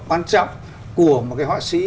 quan trọng của một cái họa sĩ